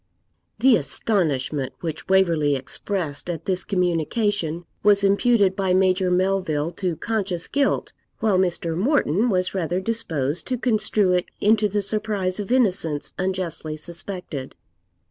The astonishment which Waverley expressed at this communication was imputed by Major Melville to conscious guilt, while Mr. Morton was rather disposed to construe it into the surprise of innocence unjustly suspected.